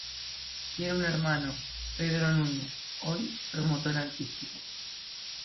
Tiene un hermano, Pedro Núñez, hoy promotor artístico.